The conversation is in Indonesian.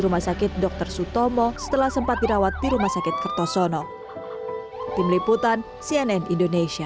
rumah sakit dr sutomo setelah sempat dirawat di rumah sakit kertosono tim liputan cnn indonesia